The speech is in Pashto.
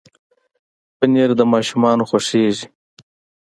پنېر د ماشومانو خوښېږي.